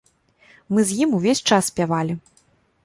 Мы з ім увесь час спявалі.